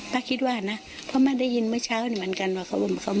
ถ้าบินเขาก็มาชูมีกลาแล้วคือโดยละ๔กบไหม